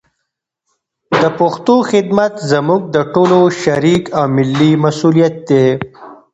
د پښتو خدمت زموږ د ټولو شریک او ملي مسولیت دی.